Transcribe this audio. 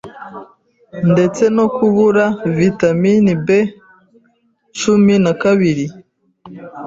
ndetse no kubura vitamine Bcumi nakabiri